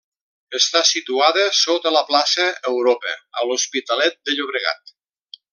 Està situada sota la plaça Europa a l'Hospitalet de Llobregat.